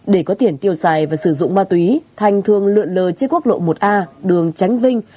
để có tiền tiêu xài và sử dụng ma túy thành thường lượn lờ trên quốc lộ một a đường tránh vinh